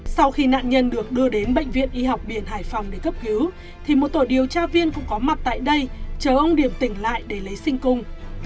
sau khi nạn nhân được đưa đến bệnh viện y học biển hải phòng để cấp cứu thì một tổ điều tra viên cũng có mặt tại đây chờ ông điểm tỉnh lại để lấy sinh cung